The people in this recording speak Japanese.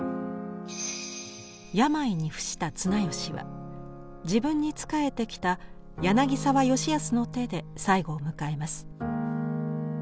病に伏した綱吉は自分に仕えてきた柳沢吉保の手で最期を迎えます。